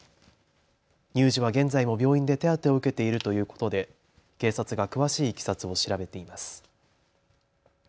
乳児は現在も病院で手当てを受けているということで警察が詳しいいきさつを調べています。